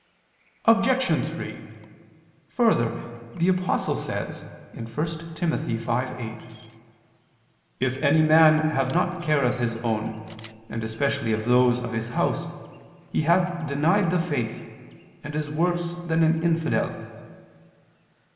Obj. 3: Further, the Apostle says (1 Tim. 5:8): "If any man have not care of his own, and especially of those of his house, he hath denied the faith, and is worse than an infidel."